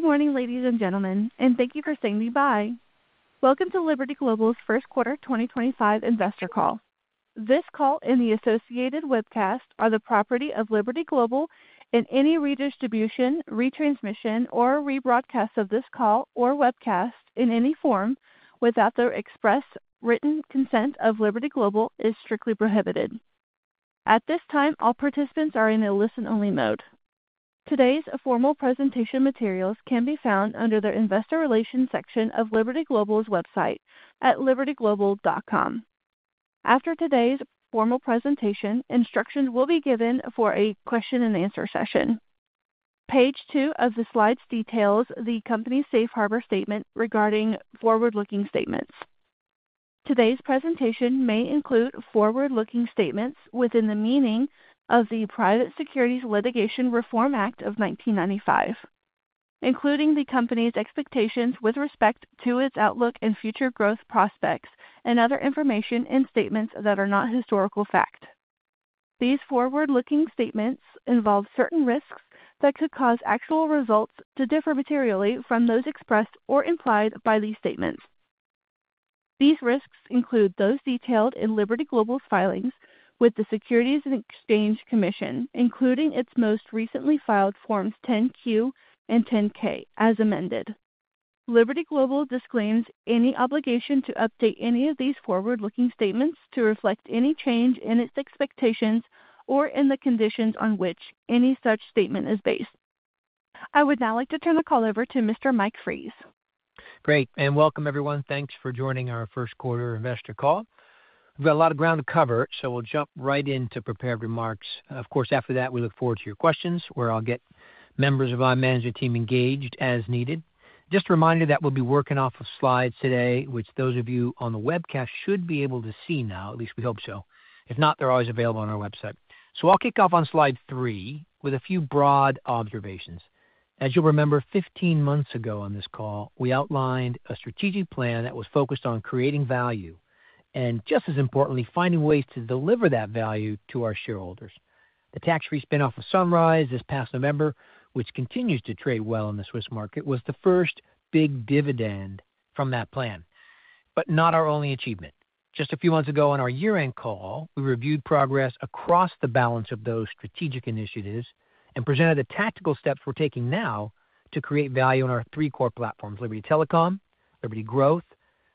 Good morning, ladies and gentlemen, and thank you for saying goodbye. Welcome to Liberty Global's first quarter 2025 investor call. This call and the associated webcast are the property of Liberty Global, and any redistribution, retransmission, or rebroadcast of this call or webcast in any form without the express written consent of Liberty Global is strictly prohibited. At this time, all participants are in a listen-only mode. Today's formal presentation materials can be found under the investor relations section of Liberty Global's website at libertyglobal.com. After today's formal presentation, instructions will be given for a question-and-answer session. Page two of the slides details the company's safe harbor statement regarding forward-looking statements. Today's presentation may include forward-looking statements within the meaning of the Private Securities Litigation Reform Act of 1995, including the company's expectations with respect to its outlook and future growth prospects, and other information and statements that are not historical fact. These forward-looking statements involve certain risks that could cause actual results to differ materially from those expressed or implied by these statements. These risks include those detailed in Liberty Global's filings with the Securities and Exchange Commission, including its most recently filed Forms 10-Q and 10-K as amended. Liberty Global disclaims any obligation to update any of these forward-looking statements to reflect any change in its expectations or in the conditions on which any such statement is based. I would now like to turn the call over to Mr. Mike Fries. Great. Welcome, everyone. Thanks for joining our first quarter investor call. We have got a lot of ground to cover, so we will jump right into prepared remarks. Of course, after that, we look forward to your questions, where I will get members of our management team engaged as needed. Just a reminder that we will be working off of slides today, which those of you on the webcast should be able to see now. At least we hope so. If not, they are always available on our website. I will kick off on slide three with a few broad observations. As you will remember, 15 months ago on this call, we outlined a strategic plan that was focused on creating value and, just as importantly, finding ways to deliver that value to our shareholders. The tax-free spin-off of Sunrise this past November, which continues to trade well in the Swiss market, was the first big dividend from that plan, but not our only achievement. Just a few months ago on our year-end call, we reviewed progress across the balance of those strategic initiatives and presented the tactical steps we're taking now to create value on our three core platforms: Liberty Telecom, Liberty Growth,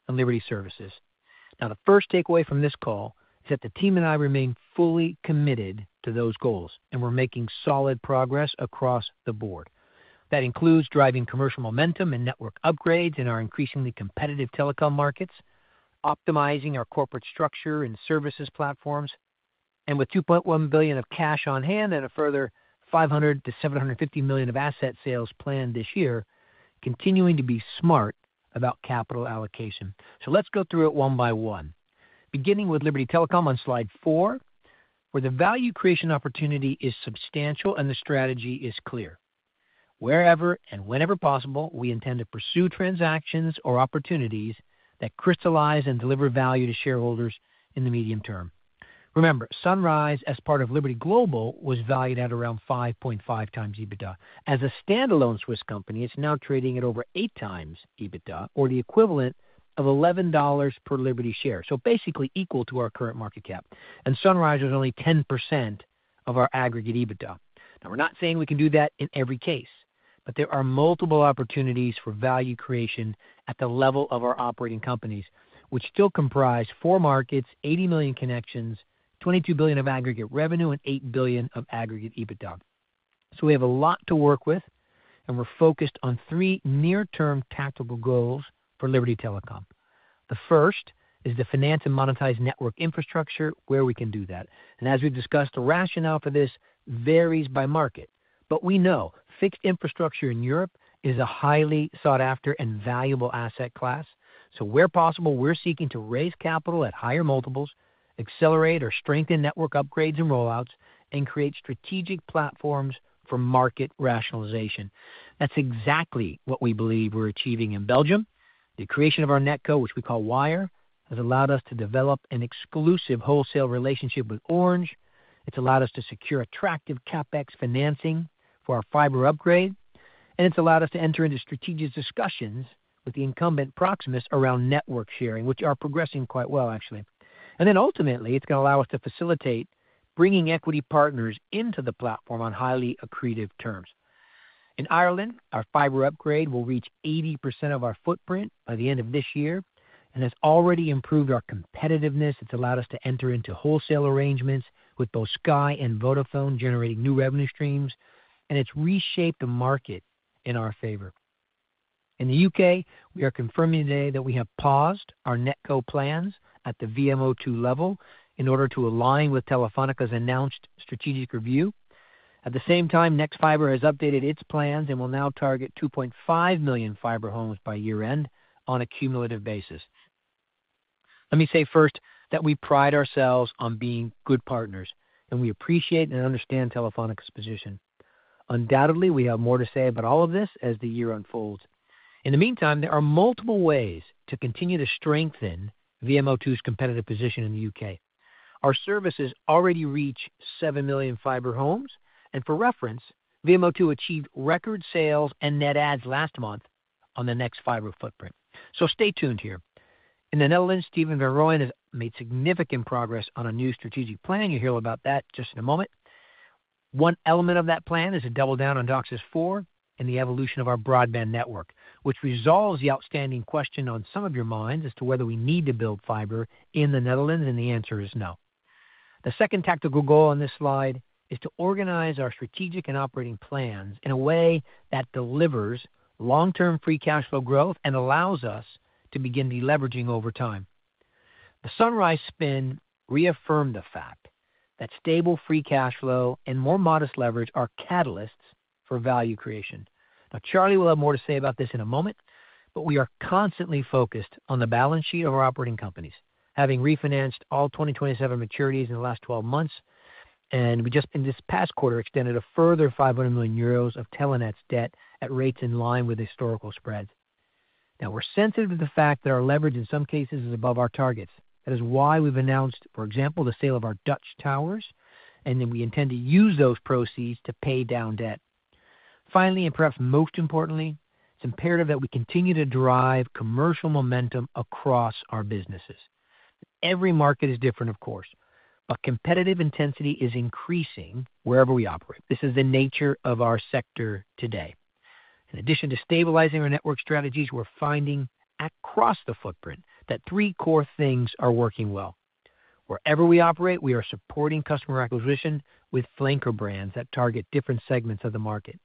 and Liberty Services. Now, the first takeaway from this call is that the team and I remain fully committed to those goals, and we're making solid progress across the board. That includes driving commercial momentum and network upgrades in our increasingly competitive telecom markets, optimizing our corporate structure and services platforms, and with $2.1 billion of cash on hand and a further 500 million-750 million of asset sales planned this year, continuing to be smart about capital allocation. Let's go through it one by one, beginning with Liberty Telecom on slide four, where the value creation opportunity is substantial and the strategy is clear. Wherever and whenever possible, we intend to pursue transactions or opportunities that crystallize and deliver value to shareholders in the medium term. Remember, Sunrise, as part of Liberty Global, was valued at around 5.5 times EBITDA. As a standalone Swiss company, it is now trading at over 8 times EBITDA or the equivalent of $11 per Liberty share, so basically equal to our current market cap. Sunrise is only 10% of our aggregate EBITDA. We are not saying we can do that in every case, but there are multiple opportunities for value creation at the level of our operating companies, which still comprise four markets, 80 million connections, 22 billion of aggregate revenue, and 8 billion of aggregate EBITDA. We have a lot to work with, and we're focused on three near-term tactical goals for Liberty Telecom. The first is to finance and monetize network infrastructure where we can do that. As we've discussed, the rationale for this varies by market. We know fixed infrastructure in Europe is a highly sought-after and valuable asset class. Where possible, we're seeking to raise capital at higher multiples, accelerate or strengthen network upgrades and rollouts, and create strategic platforms for market rationalization. That's exactly what we believe we're achieving in Belgium. The creation of our NetCo, which we call Wyre, has allowed us to develop an exclusive wholesale relationship with Orange. It's allowed us to secure attractive CapEx financing for our fiber upgrade, and it's allowed us to enter into strategic discussions with the incumbent Proximus around network sharing, which are progressing quite well, actually. Ultimately, it's going to allow us to facilitate bringing equity partners into the platform on highly accretive terms. In Ireland, our fiber upgrade will reach 80% of our footprint by the end of this year and has already improved our competitiveness. It's allowed us to enter into wholesale arrangements with both Sky and Vodafone generating new revenue streams, and it's reshaped the market in our favor. In the U.K., we are confirming today that we have paused our NetCo plans at the VMO2 level in order to align with Telefónica's announced strategic review. At the same time, nexfibre has updated its plans and will now target 2.5 million fiber homes by year-end on a cumulative basis. Let me say first that we pride ourselves on being good partners, and we appreciate and understand Telefónica's position. Undoubtedly, we have more to say about all of this as the year unfolds. In the meantime, there are multiple ways to continue to strengthen VMO2's competitive position in the U.K. Our services already reach 7 million fiber homes. For reference, VMO2 achieved record sales and net adds last month on the nexfibre footprint. Stay tuned here. In the Netherlands, Stephen van Rooyen has made significant progress on a new strategic plan. You'll hear about that just in a moment. One element of that plan is a double down on DOCSIS 4 and the evolution of our broadband network, which resolves the outstanding question on some of your minds as to whether we need to build fiber in the Netherlands, and the answer is no. The second tactical goal on this slide is to organize our strategic and operating plans in a way that delivers long-term free cash flow growth and allows us to begin deleveraging over time. The Sunrise spin reaffirmed the fact that stable free cash flow and more modest leverage are catalysts for value creation. Charlie will have more to say about this in a moment, but we are constantly focused on the balance sheet of our operating companies, having refinanced all 2027 maturities in the last 12 months. We just, in this past quarter, extended a further 500 million euros of Telenet's debt at rates in line with historical spreads. We are sensitive to the fact that our leverage in some cases is above our targets. That is why we've announced, for example, the sale of our Dutch towers, and then we intend to use those proceeds to pay down debt. Finally, and perhaps most importantly, it's imperative that we continue to drive commercial momentum across our businesses. Every market is different, of course, but competitive intensity is increasing wherever we operate. This is the nature of our sector today. In addition to stabilizing our network strategies, we're finding across the footprint that three core things are working well. Wherever we operate, we are supporting customer acquisition with flanker brands that target different segments of the market.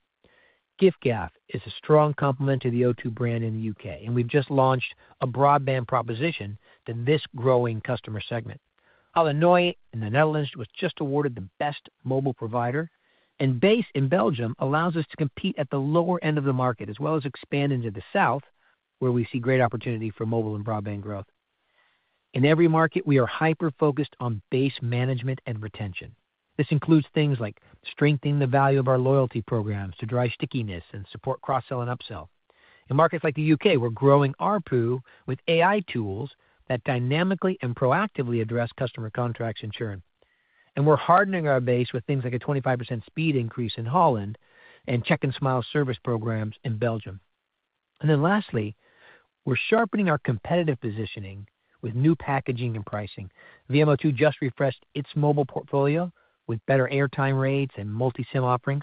Giffgaff is a strong complement to the O2 brand in the U.K., and we've just launched a broadband proposition to this growing customer segment. In the Netherlands, Base in Belgium allows us to compete at the lower end of the market as well as expand into the south, where we see great opportunity for mobile and broadband growth. In every market, we are hyper-focused on base management and retention. This includes things like strengthening the value of our loyalty programs to drive stickiness and support cross-sell and upsell. In markets like the U.K., we're growing ARPU with AI tools that dynamically and proactively address customer contracts in Turin. We're hardening our base with things like a 25% speed increase in Holland and check-and-smile service programs in Belgium. Lastly, we're sharpening our competitive positioning with new packaging and pricing. VMO2 just refreshed its mobile portfolio with better airtime rates and multi-SIM offerings.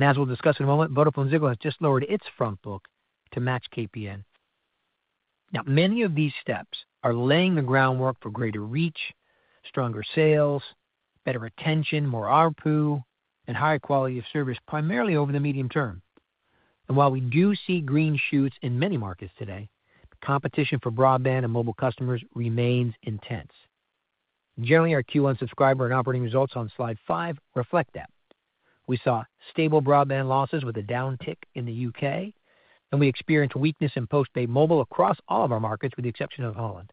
As we'll discuss in a moment, Vodafone Ziggo has just lowered its front book to match KPN. Many of these steps are laying the groundwork for greater reach, stronger sales, better retention, more ARPU, and higher quality of service, primarily over the medium term. While we do see green shoots in many markets today, competition for broadband and mobile customers remains intense. Generally, our Q1 subscriber and operating results on slide five reflect that. We saw stable broadband losses with a downtick in the U.K., and we experienced weakness in postpaid mobile across all of our markets with the exception of Holland.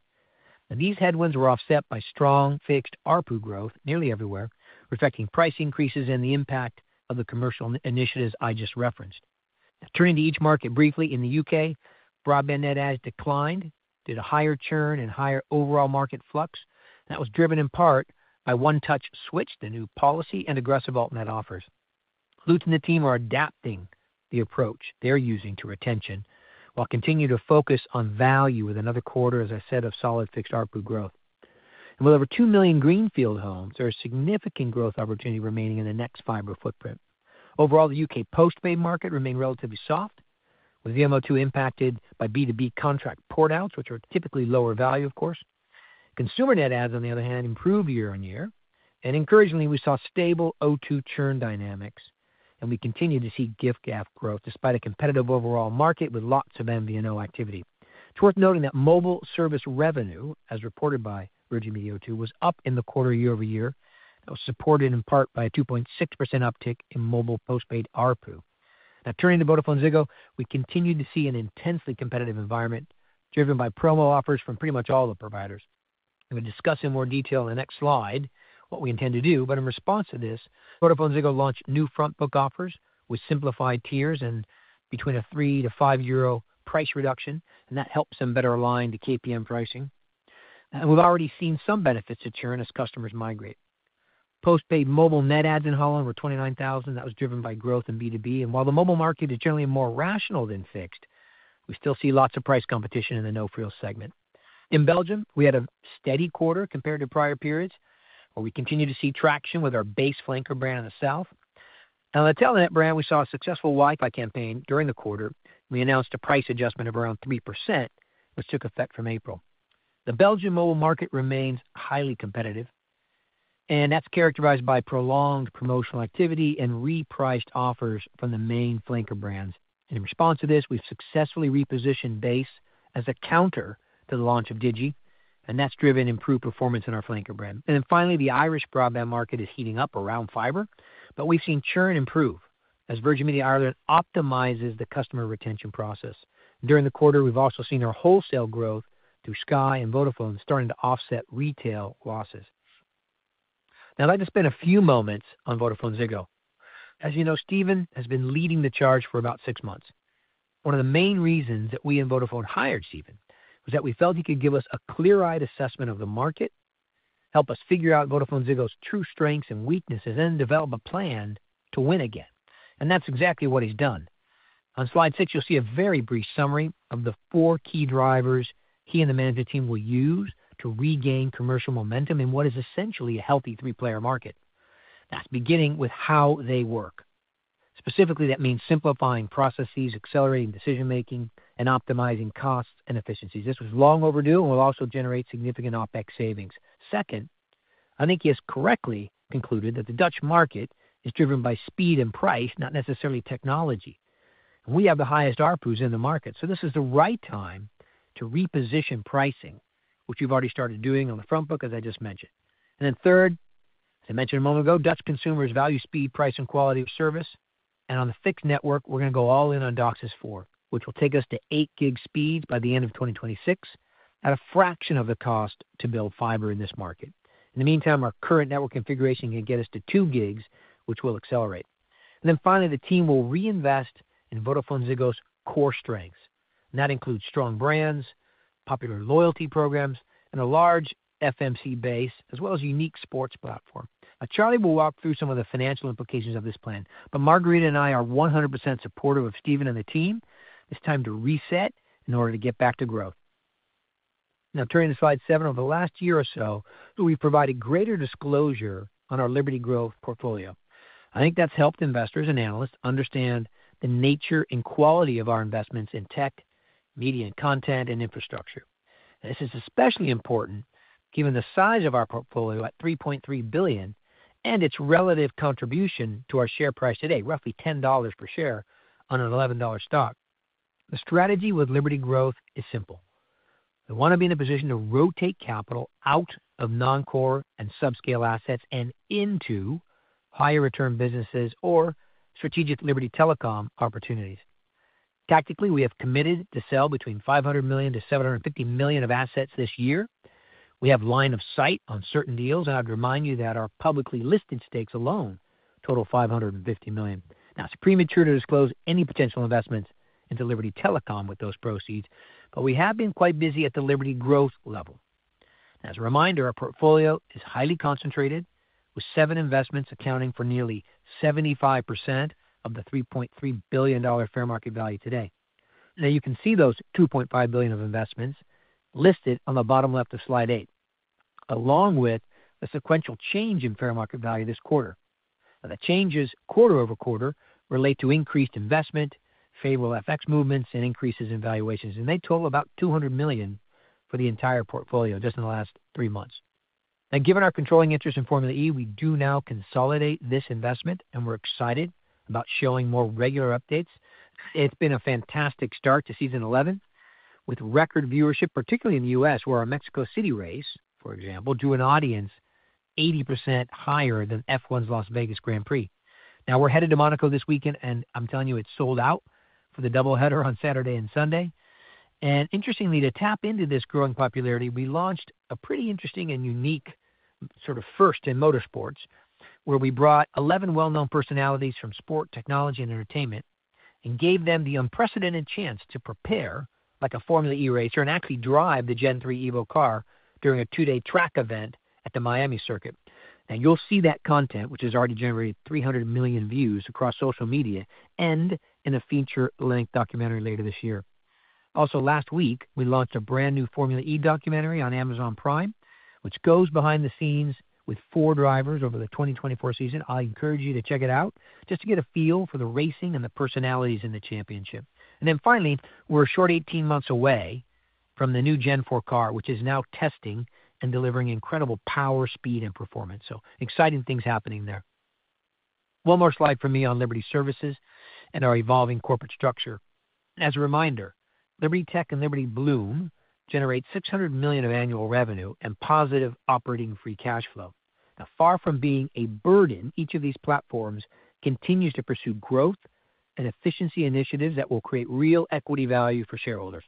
These headwinds were offset by strong fixed ARPU growth nearly everywhere, reflecting price increases and the impact of the commercial initiatives I just referenced. Turning to each market briefly, in the U.K., broadband net adds declined, due to higher churn and higher overall market flux. That was driven in part by OneTouch Switch, the new policy and aggressive alternate offers. Lutz and the team are adapting the approach they're using to retention while continuing to focus on value with another quarter, as I said, of solid fixed ARPU growth. With over 2 million greenfield homes, there is significant growth opportunity remaining in the nexfibre footprint. Overall, the U.K. postpaid market remained relatively soft, with VMO2 impacted by B2B contract port-outs, which are typically lower value, of course. Consumer net adds, on the other hand, improved year on year. Encouragingly, we saw stable O2 churn dynamics, and we continue to see Giffgaff growth despite a competitive overall market with lots of MVNO activity. It's worth noting that mobile service revenue, as reported by Virgin Media O2, was up in the quarter year-over-year. That was supported in part by a 2.6% uptick in mobile postpaid ARPU. Now, turning to Vodafone Ziggo, we continue to see an intensely competitive environment driven by promo offers from pretty much all the providers. We will discuss in more detail in the next slide what we intend to do. In response to this, Vodafone Ziggo launched new front book offers with simplified tiers and between 3-5 euro price reduction, and that helps them better align to KPN pricing. We have already seen some benefits to churn as customers migrate. Postpaid mobile net adds in the Netherlands were 29,000. That was driven by growth in B2B. While the mobile market is generally more rational than fixed, we still see lots of price competition in the no-freel segment. In Belgium, we had a steady quarter compared to prior periods, where we continue to see traction with our Base flanker brand in the south. Now, in the Telenet brand, we saw a successful Wi-Fi campaign during the quarter. We announced a price adjustment of around 3%, which took effect from April. The Belgian mobile market remains highly competitive, and that is characterized by prolonged promotional activity and repriced offers from the main flanker brands. In response to this, we have successfully repositioned Base as a counter to the launch of Digi, and that has driven improved performance in our flanker brand. Finally, the Irish broadband market is heating up around fiber, but we have seen churn improve as Virgin Media Ireland optimizes the customer retention process. During the quarter, we have also seen our wholesale growth through Sky and Vodafone starting to offset retail losses. Now, I'd like to spend a few moments on Vodafone Ziggo. As you know, Stephen has been leading the charge for about six months. One of the main reasons that we and Vodafone hired Stephen was that we felt he could give us a clear-eyed assessment of the market, help us figure out Vodafone Ziggo's true strengths and weaknesses, and develop a plan to win again. That's exactly what he's done. On slide six, you'll see a very brief summary of the four key drivers he and the management team will use to regain commercial momentum in what is essentially a healthy three-player market. That is beginning with how they work. Specifically, that means simplifying processes, accelerating decision-making, and optimizing costs and efficiencies. This was long overdue and will also generate significant OPEX savings. Second, I think he has correctly concluded that the Dutch market is driven by speed and price, not necessarily technology. We have the highest ARPUs in the market, so this is the right time to reposition pricing, which you've already started doing on the front book, as I just mentioned. Third, as I mentioned a moment ago, Dutch consumers value speed, price, and quality of service. On the fixed network, we're going to go all in on DOCSIS 4, which will take us to 8 gig speeds by the end of 2026 at a fraction of the cost to build fiber in this market. In the meantime, our current network configuration can get us to 2 gigs, which will accelerate. Finally, the team will reinvest in Vodafone Ziggo's core strengths. That includes strong brands, popular loyalty programs, and a large FMC base, as well as a unique sports platform. Now, Charlie will walk through some of the financial implications of this plan, but Margarita and I are 100% supportive of Stephen and the team. It's time to reset in order to get back to growth. Now, turning to slide seven, over the last year or so, we've provided greater disclosure on our Liberty Global portfolio. I think that's helped investors and analysts understand the nature and quality of our investments in tech, media, and content and infrastructure. This is especially important given the size of our portfolio at $3.3 billion and its relative contribution to our share price today, roughly $10 per share on an $11 stock. The strategy with Liberty Growth is simple. We want to be in a position to rotate capital out of non-core and subscale assets and into higher return businesses or strategic Liberty Telecom opportunities. Tactically, we have committed to sell between 500 million-750 million of assets this year. We have line of sight on certain deals, and I'd remind you that our publicly listed stakes alone total EUR 550 million. Now, it's premature to disclose any potential investments into Liberty Telecom with those proceeds, but we have been quite busy at the Liberty Growth level. As a reminder, our portfolio is highly concentrated, with seven investments accounting for nearly 75% of the $3.3 billion fair market value today. Now, you can see those $2.5 billion of investments listed on the bottom left of slide eight, along with a sequential change in fair market value this quarter. Now, the changes quarter over quarter relate to increased investment, favorable FX movements, and increases in valuations. They total about $200 million for the entire portfolio just in the last three months. Now, given our controlling interest in Formula E, we do now consolidate this investment, and we're excited about showing more regular updates. It's been a fantastic start to season 11 with record viewership, particularly in the U.S., where our Mexico City race, for example, drew an audience 80% higher than F1's Las Vegas Grand Prix. Now, we're headed to Monaco this weekend, and I'm telling you, it's sold out for the double header on Saturday and Sunday. Interestingly, to tap into this growing popularity, we launched a pretty interesting and unique sort of first in motorsports, where we brought 11 well-known personalities from sport, technology, and entertainment and gave them the unprecedented chance to prepare like a Formula E racer and actually drive the Gen 3 Evo car during a two-day track event at the Miami circuit. Now, you'll see that content, which has already generated 300 million views across social media and in a feature-length documentary later this year. Also, last week, we launched a brand new Formula E documentary on Amazon Prime, which goes behind the scenes with four drivers over the 2024 season. I encourage you to check it out just to get a feel for the racing and the personalities in the championship. Finally, we are a short 18 months away from the new Gen 4 car, which is now testing and delivering incredible power, speed, and performance. Exciting things are happening there. One more slide from me on Liberty Services and our evolving corporate structure. As a reminder, Liberty Tech and Liberty Bloom generate 600 million of annual revenue and positive operating free cash flow. Far from being a burden, each of these platforms continues to pursue growth and efficiency initiatives that will create real equity value for shareholders.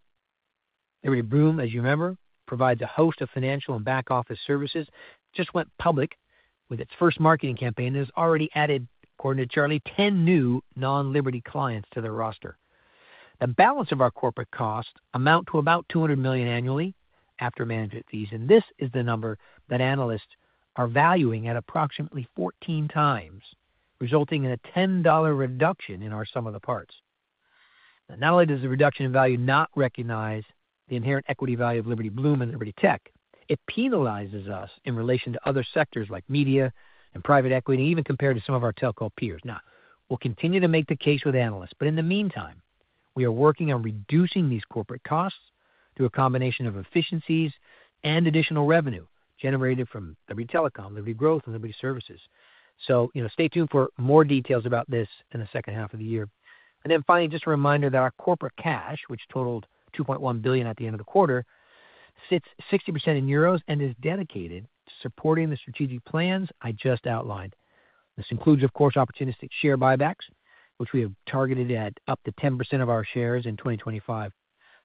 Liberty Bloom, as you remember, provides a host of financial and back-office services. It just went public with its first marketing campaign and has already added, according to Charlie, 10 new non-Liberty clients to their roster. The balance of our corporate costs amounts to about 200 million annually after management fees. This is the number that analysts are valuing at approximately 14 times, resulting in a $10 reduction in our sum of the parts. Not only does the reduction in value not recognize the inherent equity value of Liberty Bloom and Liberty Tech, it penalizes us in relation to other sectors like media and private equity, even compared to some of our telco peers. We will continue to make the case with analysts, but in the meantime, we are working on reducing these corporate costs through a combination of efficiencies and additional revenue generated from Liberty Telecom, Liberty Growth, and Liberty Services. You know, stay tuned for more details about this in the second half of the year. Finally, just a reminder that our corporate cash, which totaled $2.1 billion at the end of the quarter, sits 60% in EUR and is dedicated to supporting the strategic plans I just outlined. This includes, of course, opportunistic share buybacks, which we have targeted at up to 10% of our shares in 2025.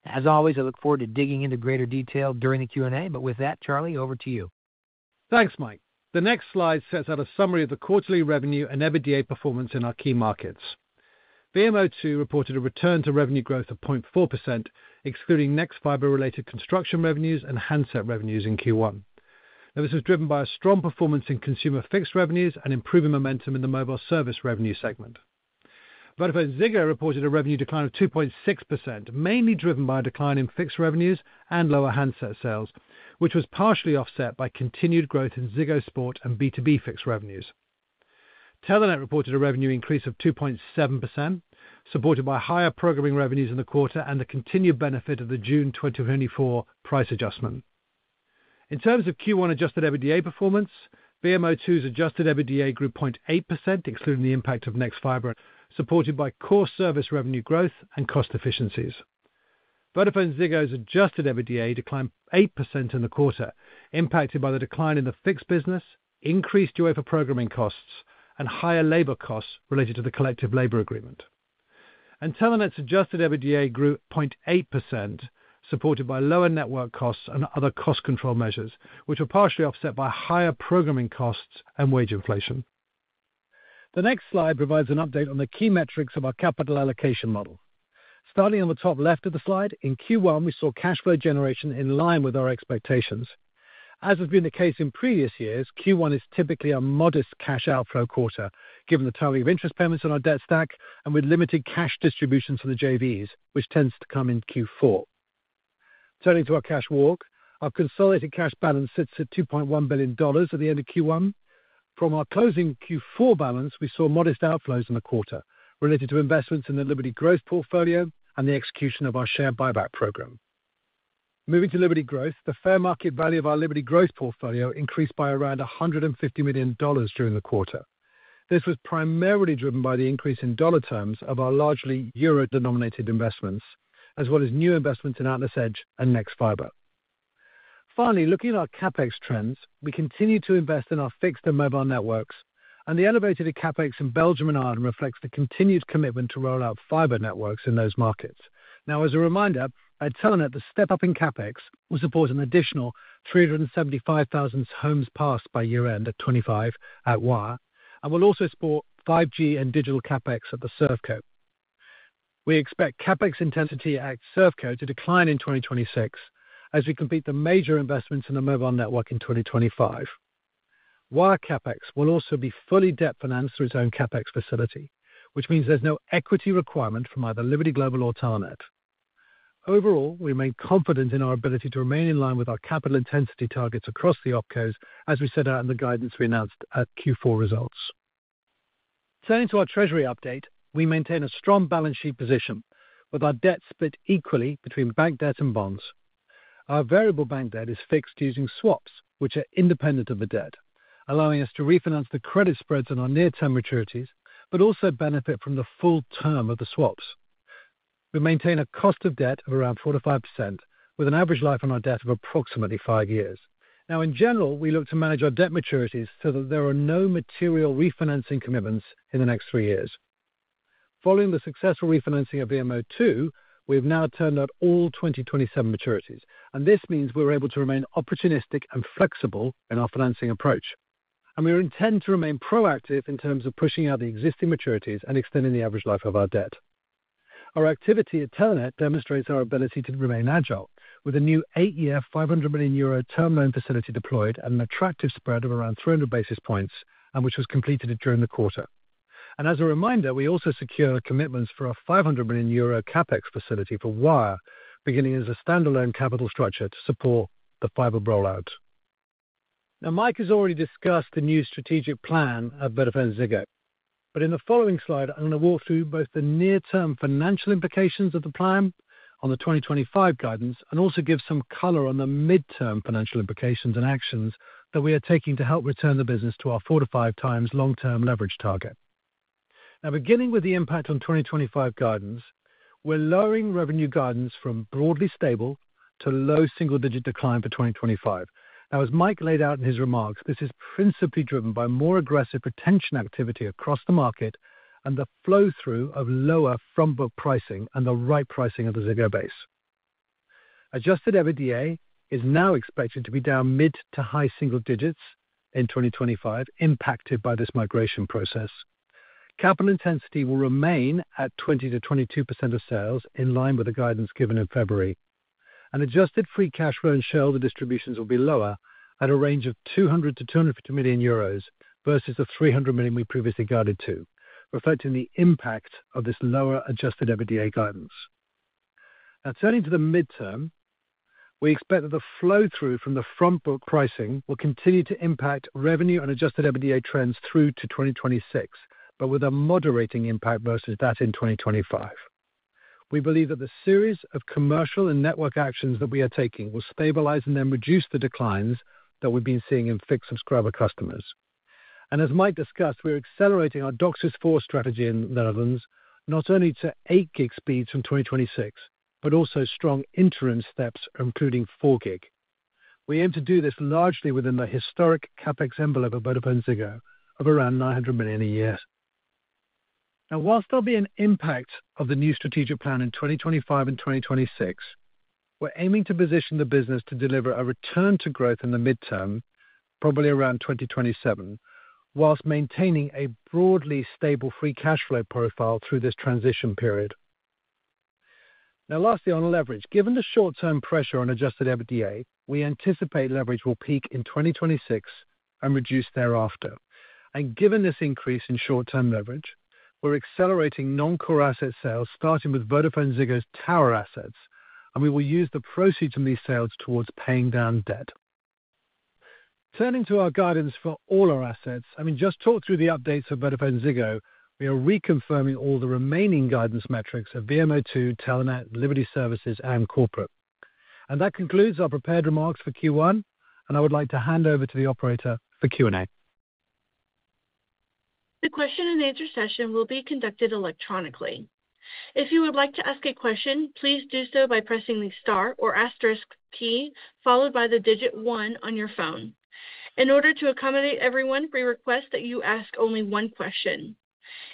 As always, I look forward to digging into greater detail during the Q&A, but with that, Charlie, over to you. Thanks, Mike. The next slide sets out a summary of the quarterly revenue and everyday performance in our key markets. VMO2 reported a return to revenue growth of 0.4%, excluding nexfibre-related construction revenues and handset revenues in Q1. This was driven by a strong performance in consumer fixed revenues and improving momentum in the mobile service revenue segment. Vodafone Ziggo reported a revenue decline of 2.6%, mainly driven by a decline in fixed revenues and lower handset sales, which was partially offset by continued growth in Ziggo Sport and B2B fixed revenues. Telenet reported a revenue increase of 2.7%, supported by higher programming revenues in the quarter and the continued benefit of the June 2024 price adjustment. In terms of Q1 adjusted EBITDA performance, VMO2's adjusted EBITDA grew 0.8%, excluding the impact of Next Fiber, supported by core service revenue growth and cost efficiencies. Vodafone Ziggo's adjusted EBITDA declined 8% in the quarter, impacted by the decline in the fixed business, increased UEFA programming costs, and higher labor costs related to the collective labor agreement. Telenet's adjusted EBITDA grew 0.8%, supported by lower network costs and other cost control measures, which were partially offset by higher programming costs and wage inflation. The next slide provides an update on the key metrics of our capital allocation model. Starting on the top left of the slide, in Q1, we saw cash flow generation in line with our expectations. As has been the case in previous years, Q1 is typically a modest cash outflow quarter, given the timing of interest payments on our debt stack and with limited cash distributions for the JVs, which tends to come in Q4. Turning to our cash walk, our consolidated cash balance sits at $2.1 billion at the end of Q1. From our closing Q4 balance, we saw modest outflows in the quarter related to investments in the Liberty Growth portfolio and the execution of our share buyback program. Moving to Liberty Growth, the fair market value of our Liberty Growth portfolio increased by around $150 million during the quarter. This was primarily driven by the increase in dollar terms of our largely euro-denominated investments, as well as new investments in Atlas Edge and nexfibre. Finally, looking at our CapEx trends, we continue to invest in our fixed and mobile networks, and the elevated CapEx in Belgium and Ireland reflects the continued commitment to roll out fiber networks in those markets. Now, as a reminder, at Telenet, the step-up in CapEx will support an additional 375,000 homes passed by year-end 2025 at Wire, and will also support 5G and digital CapEx at the Serfco. We expect CapEx intensity at Serfco to decline in 2026 as we complete the major investments in the mobile network in 2025. Wire CapEx will also be fully debt financed through its own CapEx facility, which means there's no equity requirement from either Liberty Global or Telenet. Overall, we remain confident in our ability to remain in line with our capital intensity targets across the OpCo as we set out in the guidance we announced at Q4 results. Turning to our treasury update, we maintain a strong balance sheet position with our debt split equally between bank debt and bonds. Our variable bank debt is fixed using swaps, which are independent of the debt, allowing us to refinance the credit spreads on our near-term maturities, but also benefit from the full term of the swaps. We maintain a cost of debt of around 4.5%, with an average life on our debt of approximately five years. Now, in general, we look to manage our debt maturities so that there are no material refinancing commitments in the next three years. Following the successful refinancing of VMO2, we have now turned out all 2027 maturities, and this means we're able to remain opportunistic and flexible in our financing approach. We intend to remain proactive in terms of pushing out the existing maturities and extending the average life of our debt. Our activity at Telenet demonstrates our ability to remain agile, with a new eight-year 500 million euro term loan facility deployed at an attractive spread of around 300 basis points, which was completed during the quarter. As a reminder, we also secured commitments for a 500 million euro CapEx facility for Wire, beginning as a stand-alone capital structure to support the fiber rollout. Now, Mike has already discussed the new strategic plan of Vodafone Ziggo, but in the following slide, I'm going to walk through both the near-term financial implications of the plan on the 2025 guidance and also give some color on the midterm financial implications and actions that we are taking to help return the business to our 4-5 times long-term leverage target. Now, beginning with the impact on 2025 guidance, we're lowering revenue guidance from broadly stable to low single-digit decline for 2025. Now, as Mike laid out in his remarks, this is principally driven by more aggressive retention activity across the market and the flow-through of lower front-book pricing and the right pricing of the Ziggo base. Adjusted EBITDA is now expected to be down mid to high single digits in 2025, impacted by this migration process. Capital intensity will remain at 20-22% of sales, in line with the guidance given in February. Adjusted free cash flow and shareholder distributions will be lower at a range of 200 million-250 million euros versus the 300 million we previously guided to, reflecting the impact of this lower adjusted EBITDA guidance. Now, turning to the midterm, we expect that the flow-through from the front-book pricing will continue to impact revenue and adjusted EBITDA trends through to 2026, with a moderating impact versus that in 2025. We believe that the series of commercial and network actions that we are taking will stabilize and then reduce the declines that we've been seeing in fixed subscriber customers. As Mike discussed, we're accelerating our DOCSIS 4 strategy in the Netherlands, not only to 8 gig speeds from 2026, but also strong interim steps, including 4 gig. We aim to do this largely within the historic CapEx envelope of Vodafone Ziggo of around 900 million a year. Now, whilst there will be an impact of the new strategic plan in 2025 and 2026, we are aiming to position the business to deliver a return to growth in the midterm, probably around 2027, whilst maintaining a broadly stable free cash flow profile through this transition period. Lastly, on leverage, given the short-term pressure on adjusted EBITDA, we anticipate leverage will peak in 2026 and reduce thereafter. Given this increase in short-term leverage, we are accelerating non-core asset sales, starting with Vodafone Ziggo's tower assets, and we will use the proceeds from these sales towards paying down debt. Turning to our guidance for all our assets, I mean, just talk through the updates for Vodafone Ziggo, we are reconfirming all the remaining guidance metrics of VMO2, Telenet, Liberty Services, and corporate. That concludes our prepared remarks for Q1, and I would like to hand over to the operator for Q&A. The question-and-answer session will be conducted electronically. If you would like to ask a question, please do so by pressing the star or asterisk key followed by the digit one on your phone. In order to accommodate everyone, we request that you ask only one question.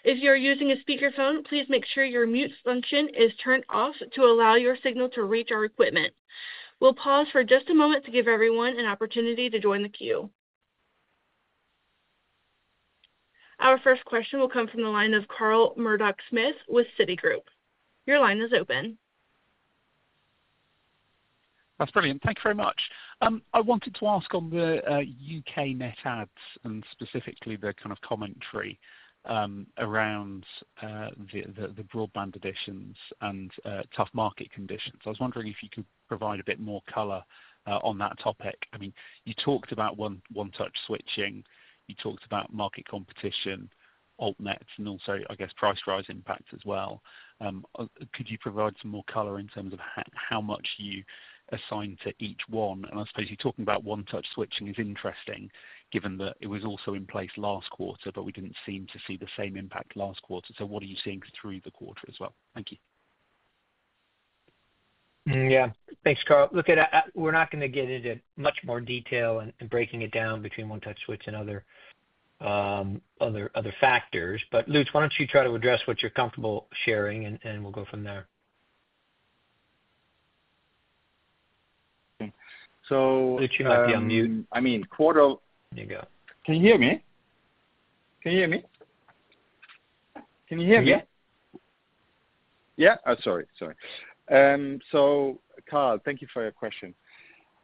If you're using a speakerphone, please make sure your mute function is turned off to allow your signal to reach our equipment. We'll pause for just a moment to give everyone an opportunity to join the queue. Our first question will come from the line of Carl Murdock-Smith with Citigroup. Your line is open. That's brilliant. Thank you very much. I wanted to ask on the U.K. net adds and specifically the kind of commentary around the broadband additions and tough market conditions. I was wondering if you could provide a bit more color on that topic. I mean, you talked about one-touch switching. You talked about market competition, AltNets, and also, I guess, price rise impact as well. Could you provide some more color in terms of how much you assign to each one? I suppose you're talking about one-touch switching is interesting, given that it was also in place last quarter, but we didn't seem to see the same impact last quarter. What are you seeing through the quarter as well? Thank you. Yeah. Thanks, Carl. Look, we're not going to get into much more detail and breaking it down between OneTouch Switch and other factors. Lutz, why don't you try to address what you're comfortable sharing, and we'll go from there. So that you're not being muted. I mean, quarter. You go. Can you hear me? Can you hear me? Can you hear me? Yeah. Yeah. Oh, sorry. Sorry. Carl, thank you for your question.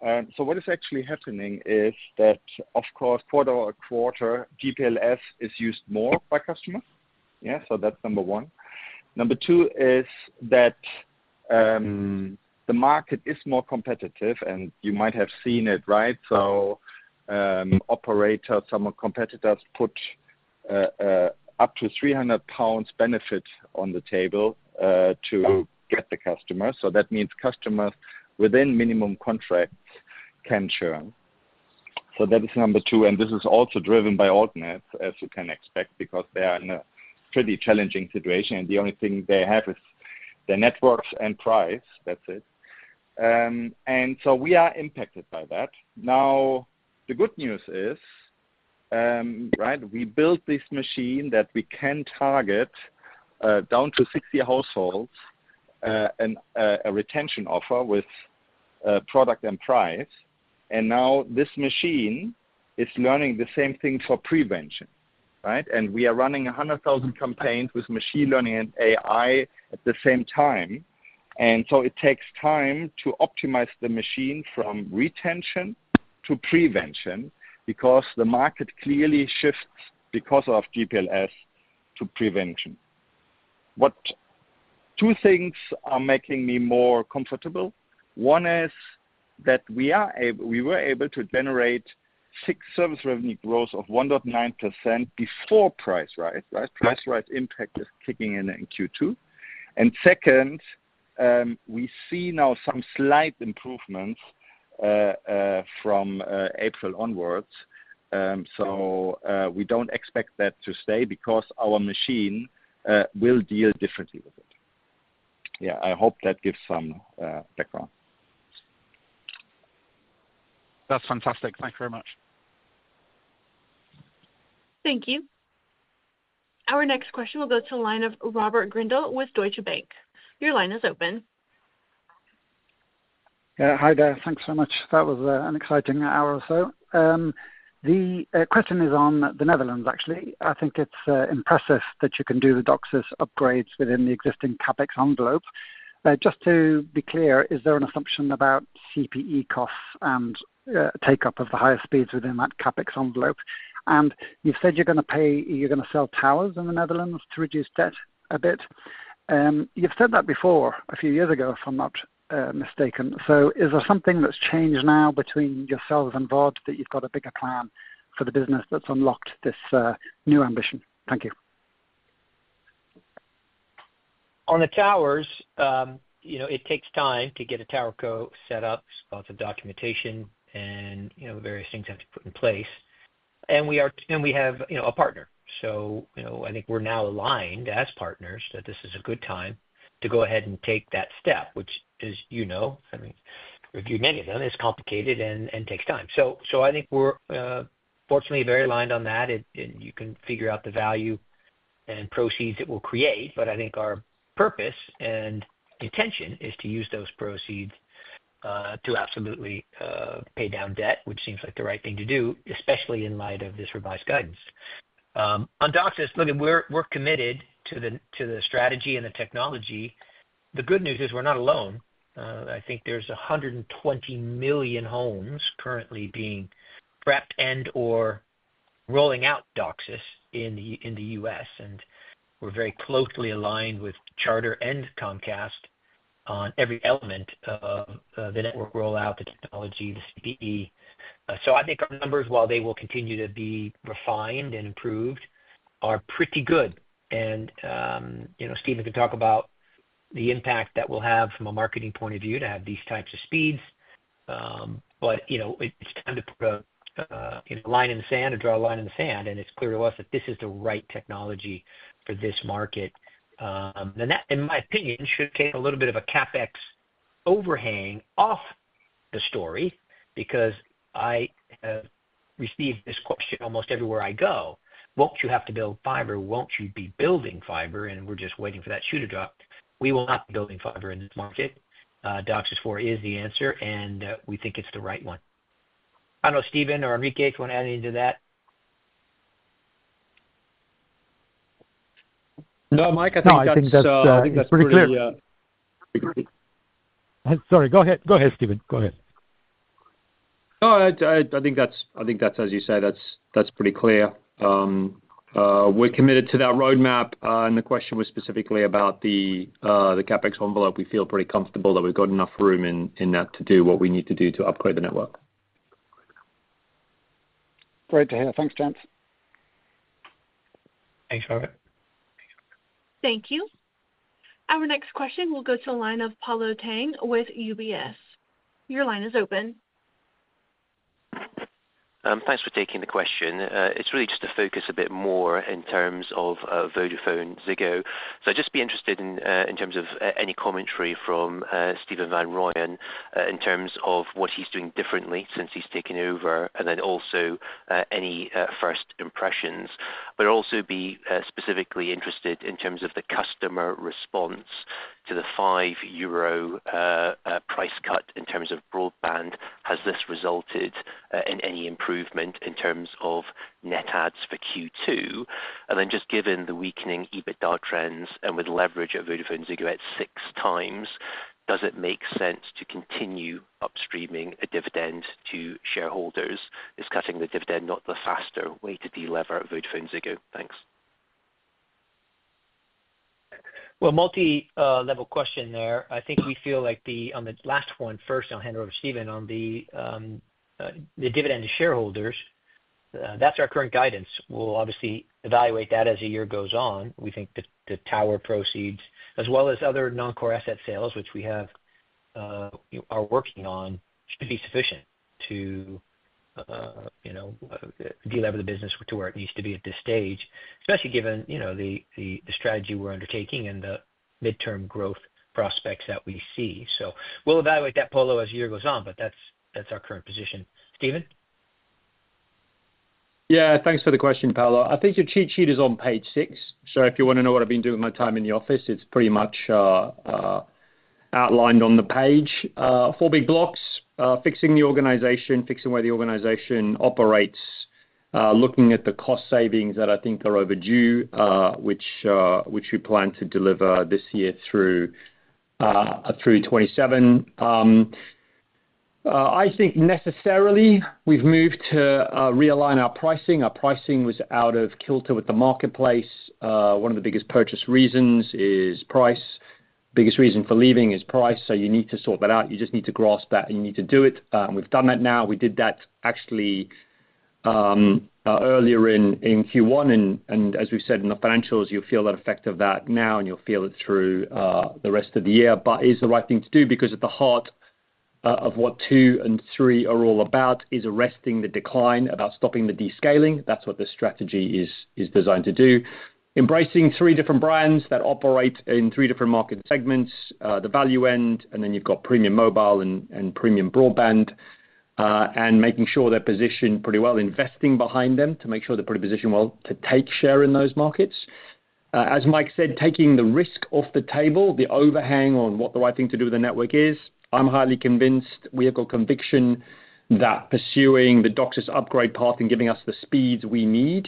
What is actually happening is that, of course, quarter over quarter, GPLF is used more by customers. Yeah? That is number one. Number two is that the market is more competitive, and you might have seen it, right? Operators, some of the competitors put up to 300 pounds benefit on the table to get the customers. That means customers within minimum contracts can churn. That is number two. This is also driven by AltNets, as you can expect, because they are in a pretty challenging situation. The only thing they have is their networks and price. That's it. We are impacted by that. The good news is, right, we built this machine that we can target down to 60 households and a retention offer with product and price. Now this machine is learning the same thing for prevention, right? We are running 100,000 campaigns with machine learning and AI at the same time. It takes time to optimize the machine from retention to prevention because the market clearly shifts because of GPLS to prevention. Two things are making me more comfortable. One is that we were able to generate fixed service revenue growth of 1.9% before price rise. Right? Price rise impact is kicking in in Q2. Second, we see now some slight improvements from April onwards. We do not expect that to stay because our machine will deal differently with it. Yeah. I hope that gives some background. That's fantastic. Thank you very much. Thank you. Our next question will go to the line of Robert Grindle with Deutsche Bank. Your line is open. Hi, there. Thanks so much. That was an exciting hour or so. The question is on the Netherlands, actually. I think it's impressive that you can do the DOCSIS upgrades within the existing CapEx envelope. Just to be clear, is there an assumption about CPE costs and take-up of the higher speeds within that CapEx envelope? You have said you are going to sell towers in the Netherlands to reduce debt a bit. You have said that before a few years ago, if I am not mistaken. Is there something that's changed now between yourselves and that you've got a bigger plan for the business that's unlocked this new ambition? Thank you. On the towers, it takes time to get a towerco set up. There's lots of documentation and various things have to be put in place. We have a partner. I think we're now aligned as partners that this is a good time to go ahead and take that step, which, as you know, I mean, review many of them, is complicated and takes time. I think we're fortunately very aligned on that. You can figure out the value and proceeds it will create. I think our purpose and intention is to use those proceeds to absolutely pay down debt, which seems like the right thing to do, especially in light of this revised guidance. On DOCSIS, look, we're committed to the strategy and the technology. The good news is we're not alone. I think there's 120 million homes currently being prepped and/or rolling out DOCSIS in the US. We're very closely aligned with Charter and Comcast on every element of the network rollout, the technology, the CPE. I think our numbers, while they will continue to be refined and improved, are pretty good. Stephen can talk about the impact that will have from a marketing point of view to have these types of speeds. It's time to put a line in the sand or draw a line in the sand. It's clear to us that this is the right technology for this market. That, in my opinion, should take a little bit of a CapEx overhang off the story because I have received this question almost everywhere I go. Won't you have to build fiber? Won't you be building fiber? We are just waiting for that shoe to drop. We will not be building fiber in this market. DOCSIS 4 is the answer, and we think it is the right one. I do not know if Stephen or Enrique want to add anything to that. No, Mike, I think that is pretty clear. Sorry. Go ahead. Go ahead, Stephen. Go ahead. No, I think that is, as you say, that is pretty clear. We are committed to that roadmap. The question was specifically about the CapEx envelope. We feel pretty comfortable that we have enough room in that to do what we need to do to upgrade the network. Great to hear. Thanks, gents. Thanks, Robert. Thank you. Our next question will go to the line of Polo Tang with UBS. Your line is open. Thanks for taking the question. It's really just to focus a bit more in terms of Vodafone Ziggo. I'd just be interested in terms of any commentary from Stephen van Rooyen in terms of what he's doing differently since he's taken over, and also any first impressions. I'd also be specifically interested in terms of the customer response to the 5 euro price cut in terms of broadband. Has this resulted in any improvement in terms of net adds for Q2? Given the weakening EBITDA trends and with leverage at Vodafone Ziggo at six times, does it make sense to continue upstreaming a dividend to shareholders? Is cutting the dividend not the faster way to deleverage Vodafone Ziggo? Thanks. Multi-level question there. I think we feel like on the last one first, I'll hand it over to Stephen. On the dividend to shareholders, that's our current guidance. We'll obviously evaluate that as the year goes on. We think the tower proceeds, as well as other non-core asset sales, which we are working on, should be sufficient to delever the business to where it needs to be at this stage, especially given the strategy we're undertaking and the midterm growth prospects that we see. We'll evaluate that, Polo, as the year goes on. That's our current position. Stephen? Yeah. Thanks for the question, Polo. I think your cheat sheet is on page six. If you want to know what I've been doing with my time in the office, it's pretty much outlined on the page. Four big blocks: fixing the organization, fixing where the organization operates, looking at the cost savings that I think are overdue, which we plan to deliver this year through 2027. I think necessarily we've moved to realign our pricing. Our pricing was out of kilter with the marketplace. One of the biggest purchase reasons is price. Biggest reason for leaving is price. You need to sort that out. You just need to grasp that, and you need to do it. We've done that now. We did that actually earlier in Q1. As we've said in the financials, you'll feel the effect of that now, and you'll feel it through the rest of the year. It is the right thing to do because at the heart of what two and three are all about is arresting the decline, about stopping the descaling. That's what the strategy is designed to do. Embracing three different brands that operate in three different market segments: the value end, and then you've got premium mobile and premium broadband, and making sure they're positioned pretty well, investing behind them to make sure they're pretty positioned well to take share in those markets. As Mike said, taking the risk off the table, the overhang on what the right thing to do with the network is, I'm highly convinced we have got conviction that pursuing the DOCSIS upgrade path and giving us the speeds we need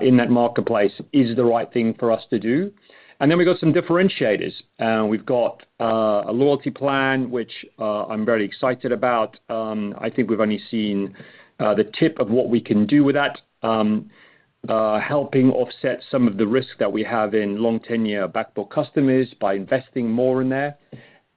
in that marketplace is the right thing for us to do. We've got some differentiators. We've got a loyalty plan, which I'm very excited about. I think we've only seen the tip of what we can do with that, helping offset some of the risk that we have in long-tenure backboard customers by investing more in there.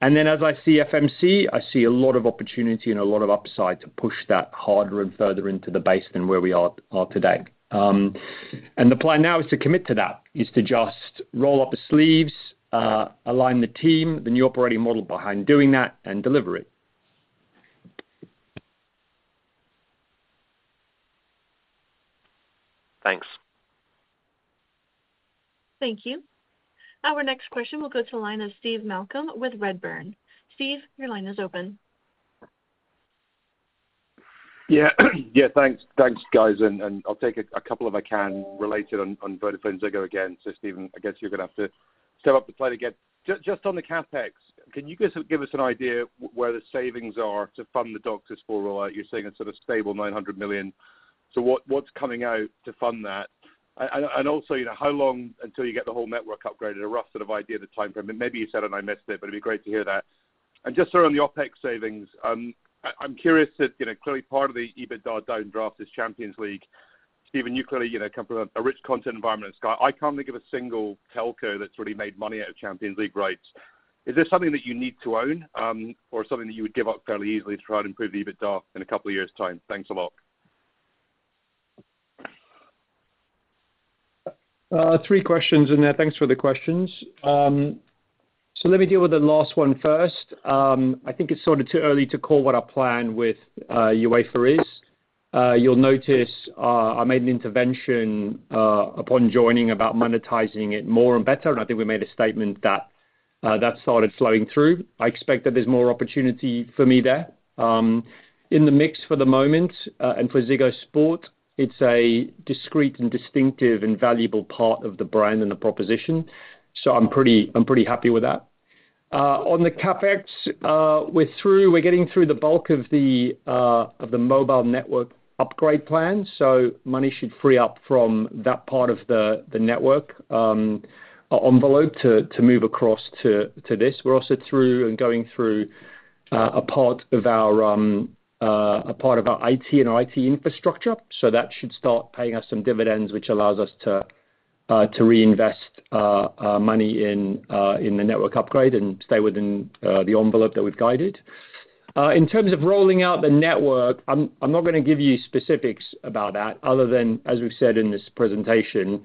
As I see FMC, I see a lot of opportunity and a lot of upside to push that harder and further into the base than where we are today. The plan now is to commit to that, to just roll up the sleeves, align the team, the new operating model behind doing that, and deliver it. Thanks. Thank you. Our next question will go to the line of Steve Malcolm with Redburn. Steve, your line is open. Yeah. Yeah. Thanks, guys. I'll take a couple of accounts related on Vodafone Ziggo again. Stephen, I guess you're going to have to step up the plate again. Just on the CapEx, can you give us an idea where the savings are to fund the DOCSIS 4? You're saying it's sort of stable 900 million. What is coming out to fund that? Also, how long until you get the whole network upgraded? A rough sort of idea, the timeframe. Maybe you said it and I missed it, but it'd be great to hear that. Just on the OpEx savings, I'm curious that clearly part of the EBITDA down draft is Champions League. Stephen, you clearly come from a rich content environment in Sky. I can't think of a single telco that's really made money out of Champions League rights. Is this something that you need to own or something that you would give up fairly easily to try and improve the EBITDA in a couple of years' time? Thanks a lot. Three questions in there. Thanks for the questions. Let me deal with the last one first. I think it's sort of too early to call what our plan with UEFA is. You'll notice I made an intervention upon joining about monetizing it more and better. I think we made a statement that that started flowing through. I expect that there's more opportunity for me there. In the mix for the moment and for Ziggo Sport, it's a discrete and distinctive and valuable part of the brand and the proposition. I'm pretty happy with that. On the CapEx, we're getting through the bulk of the mobile network upgrade plan. Money should free up from that part of the network envelope to move across to this. We're also through and going through a part of our IT and our IT infrastructure. That should start paying us some dividends, which allows us to reinvest money in the network upgrade and stay within the envelope that we've guided. In terms of rolling out the network, I'm not going to give you specifics about that other than, as we've said in this presentation,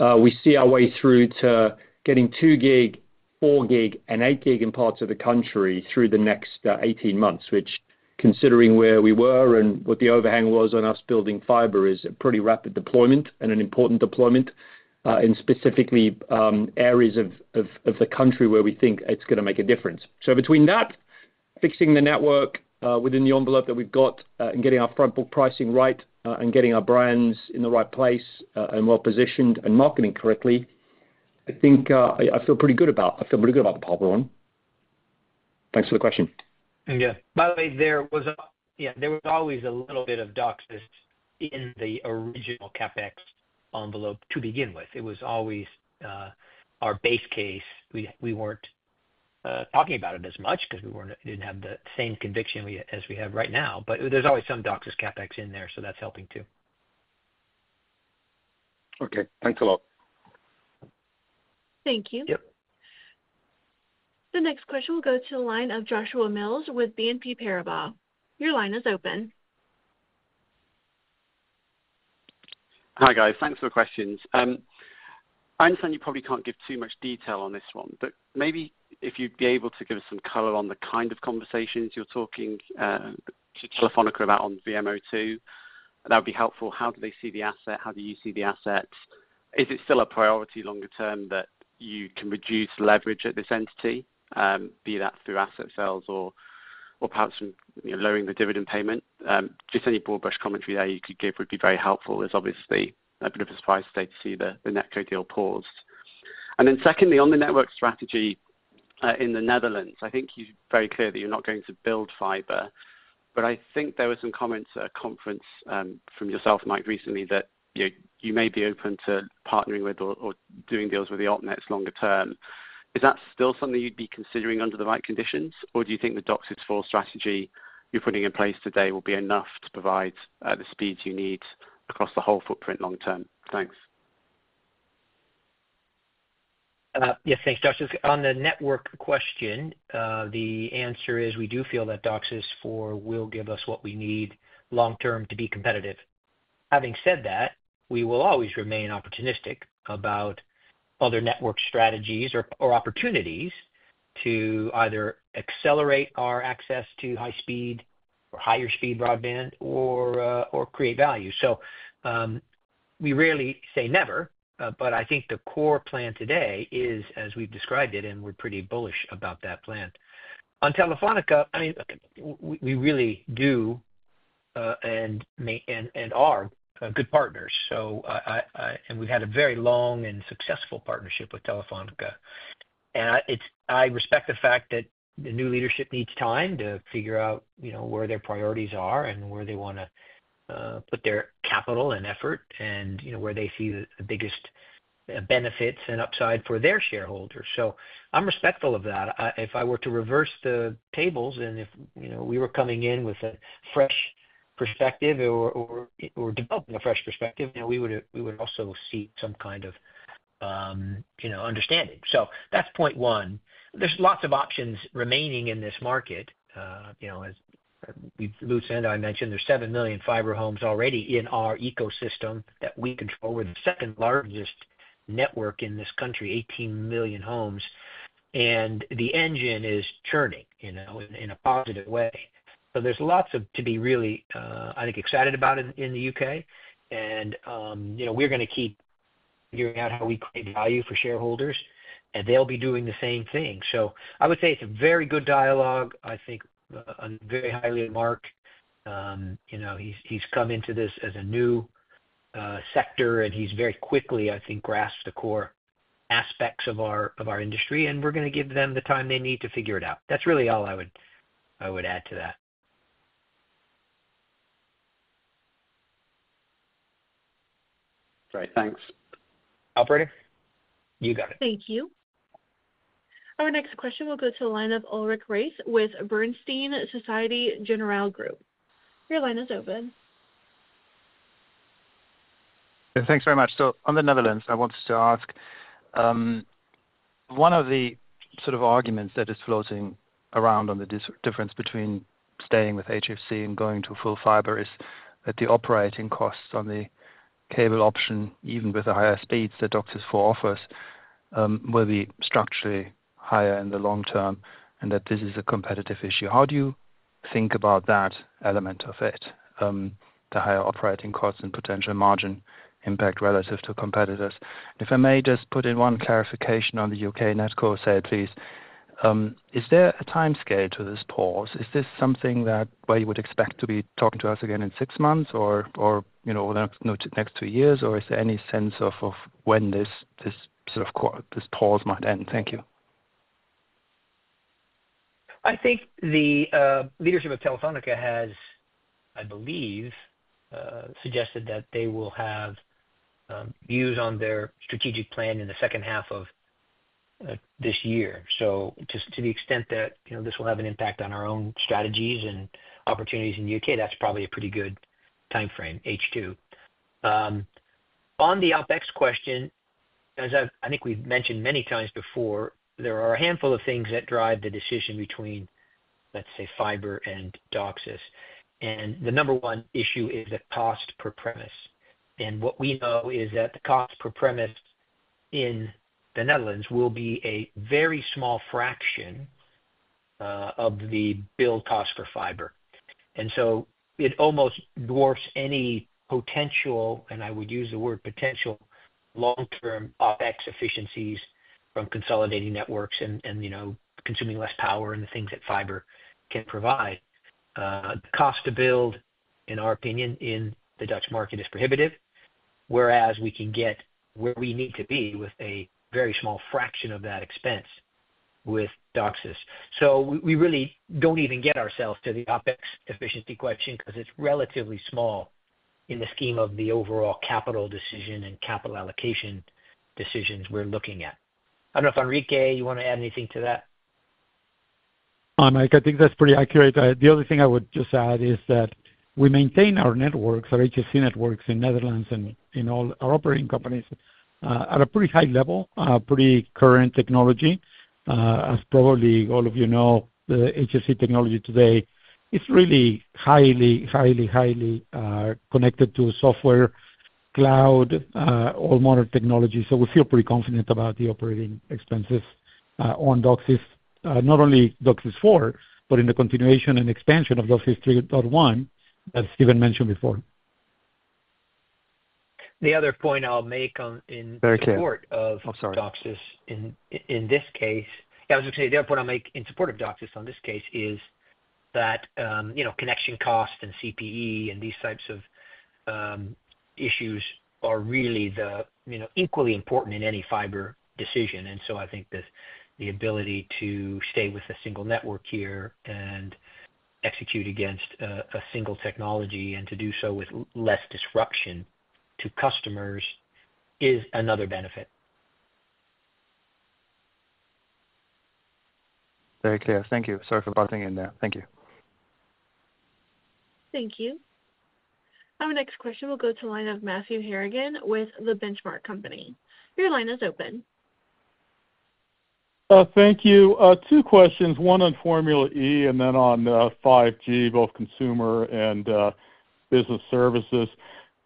we see our way through to getting 2G, 4G, and 8G in parts of the country through the next 18 months, which, considering where we were and what the overhang was on us building fiber, is a pretty rapid deployment and an important deployment in specifically areas of the country where we think it's going to make a difference. Between that, fixing the network within the envelope that we've got, and getting our frontbook pricing right, and getting our brands in the right place and well-positioned and marketing correctly, I think I feel pretty good about it. I feel pretty good about that one. Thanks for the question. Yeah. By the way, there was always a little bit of DOCSIS in the original CapEx envelope to begin with. It was always our base case. We were not talking about it as much because we did not have the same conviction as we have right now. There is always some DOCSIS CapEx in there, so that is helping too. Okay. Thanks a lot. Thank you. The next question will go to the line of Joshua Mills with BNP Paribas. Your line is open. Hi, guys. Thanks for the questions. I understand you probably cannot give too much detail on this one, but maybe if you would be able to give us some color on the kind of conversations you are talking to Telefónica about on VMO2, that would be helpful. How do they see the asset? How do you see the assets? Is it still a priority longer term that you can reduce leverage at this entity, be that through asset sales or perhaps lowering the dividend payment? Just any broad brush commentary that you could give would be very helpful. It's obviously a bit of a surprise today to see the NetCo deal paused. Secondly, on the network strategy in the Netherlands, I think you're very clear that you're not going to build fiber. I think there were some comments at a conference from yourself, Mike, recently that you may be open to partnering with or doing deals with the opnets longer term. Is that still something you'd be considering under the right conditions, or do you think the DOCSIS 4 strategy you're putting in place today will be enough to provide the speeds you need across the whole footprint long term? Thanks. Yes, thanks, Josh. On the network question, the answer is we do feel that DOCSIS 4 will give us what we need long-term to be competitive. Having said that, we will always remain opportunistic about other network strategies or opportunities to either accelerate our access to high-speed or higher-speed broadband or create value. We rarely say never, but I think the core plan today is, as we've described it, and we're pretty bullish about that plan. On Telefónica, I mean, we really do and are good partners. We have had a very long and successful partnership with Telefónica. I respect the fact that the new leadership needs time to figure out where their priorities are and where they want to put their capital and effort and where they see the biggest benefits and upside for their shareholders. I am respectful of that. If I were to reverse the tables and if we were coming in with a fresh perspective or developing a fresh perspective, we would also see some kind of understanding. That is point one. There are lots of options remaining in this market. As Lutz and I mentioned, there are 7 million fiber homes already in our ecosystem that we control. We are the second largest network in this country, 18 million homes. The engine is churning in a positive way. There is lots to be really, I think, excited about in the U.K. We are going to keep figuring out how we create value for shareholders, and they will be doing the same thing. I would say it is a very good dialogue. I think a very highly marked. He has come into this as a new sector, and he has very quickly, I think, grasped the core aspects of our industry. We're going to give them the time they need to figure it out. That's really all I would add to that. Great. Thanks. Operator? You got it. Thank you. Our next question will go to the line of Ulrich Rathe with Bernstein Societe Generale Group. Your line is open. Thanks very much. On the Netherlands, I wanted to ask, one of the sort of arguments that is floating around on the difference between staying with HFC and going to full fiber is that the operating costs on the cable option, even with the higher speeds that DOCSIS 4 offers, will be structurally higher in the long term and that this is a competitive issue. How do you think about that element of it, the higher operating costs and potential margin impact relative to competitors? If I may just put in one clarification on the U.K. NetCo, please, is there a time scale to this pause? Is this something where you would expect to be talking to us again in six months or the next two years, or is there any sense of when this sort of pause might end? Thank you. I think the leadership of Telefónica has, I believe, suggested that they will have views on their strategic plan in the second half of this year. To the extent that this will have an impact on our own strategies and opportunities in the U.K., that's probably a pretty good time frame, H2. On the OpEx question, as I think we've mentioned many times before, there are a handful of things that drive the decision between, let's say, fiber and DOCSIS. The number one issue is the cost per premise. What we know is that the cost per premise in the Netherlands will be a very small fraction of the build cost for fiber. It almost dwarfs any potential, and I would use the word potential, long-term OpEx efficiencies from consolidating networks and consuming less power and the things that fiber can provide. The cost to build, in our opinion, in the Dutch market is prohibitive, whereas we can get where we need to be with a very small fraction of that expense with DOCSIS. We really do not even get ourselves to the OpEx efficiency question because it is relatively small in the scheme of the overall capital decision and capital allocation decisions we are looking at. I do not know if Enrique, you want to add anything to that? Hi, Mike. I think that is pretty accurate. The other thing I would just add is that we maintain our networks, our HFC networks in the Netherlands and in all our operating companies at a pretty high level, pretty current technology. As probably all of you know, the HFC technology today is really highly, highly, highly connected to software, cloud, all modern technology. We feel pretty confident about the operating expenses on DOCSIS, not only DOCSIS 4, but in the continuation and expansion of DOCSIS 3.1 that Stephen mentioned before. The other point I'll make in support of DOCSIS in this case, yeah, I was going to say the other point I'll make in support of DOCSIS on this case is that connection cost and CPE and these types of issues are really equally important in any fiber decision. I think the ability to stay with a single network here and execute against a single technology and to do so with less disruption to customers is another benefit. Very clear. Thank you. Sorry for butting in there. Thank you. Thank you. Our next question will go to the line of Matthew Harrigan with The Benchmark Company. Your line is open. Thank you. Two questions. One on Formula E and then on 5G, both consumer and business services.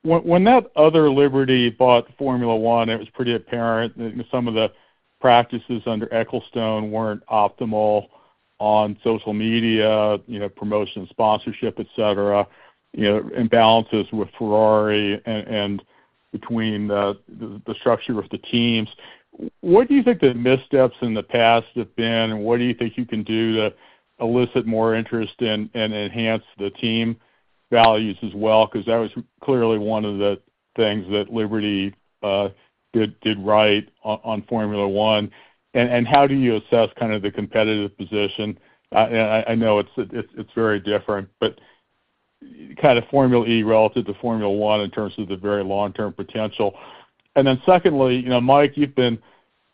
When that other Liberty bought Formula 1, it was pretty apparent that some of the practices under Ecclestone were not optimal on social media, promotion and sponsorship, etc., imbalances with Ferrari and between the structure of the teams. What do you think the missteps in the past have been, and what do you think you can do to elicit more interest and enhance the team values as well? Because that was clearly one of the things that Liberty did right on Formula 1. How do you assess kind of the competitive position? I know it's very different, but kind of Formula E relative to Formula 1 in terms of the very long-term potential. Secondly, Mike, you've been